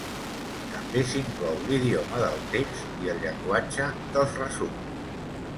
També s'inclou l'idioma del text i el llenguatge dels resums.